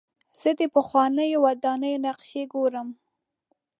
زه د پخوانیو ودانیو نقشې ګورم.